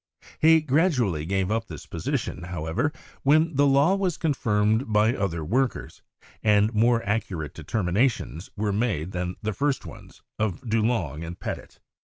He gradually gave up this position, however, when the law was confirmed by other workers, and more accurate determinations were made than the first ones of Dulong and Petit.